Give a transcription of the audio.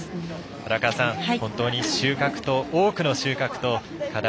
荒川さん、本当に多くの収穫と課題